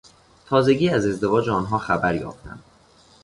تازگی از ازدواج آنها خبر یافتم.